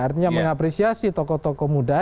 artinya mengapresiasi toko toko muda